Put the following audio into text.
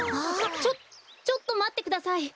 ちょちょっとまってください。